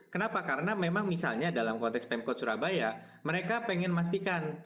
kenapa karena memang misalnya dalam konteks pemkot surabaya mereka pengen memastikan